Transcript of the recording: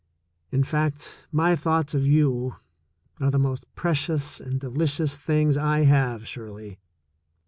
In fact, my thoughts of you are the most precious and delicious things I have, Shirley.